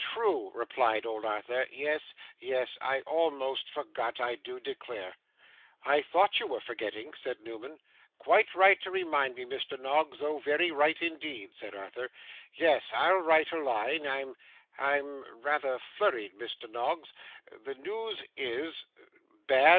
'True,' replied old Arthur. 'Yes yes; I almost forgot, I do declare.' 'I thought you were forgetting,' said Newman. 'Quite right to remind me, Mr. Noggs. Oh, very right indeed,' said Arthur. 'Yes. I'll write a line. I'm I'm rather flurried, Mr. Noggs. The news is ' 'Bad?